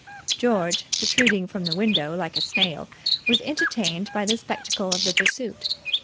George, protruding from the window like a snail, was entertained by the spectacle of the pursuit.